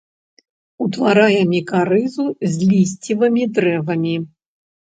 Утварае мікарызу з лісцевымі дрэвамі.